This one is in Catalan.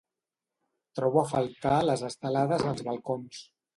Trobo a faltar les estelades als balcons